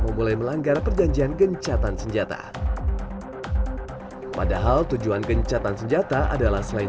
memulai melanggar perjanjian gencatan senjata padahal tujuan gencatan senjata adalah selain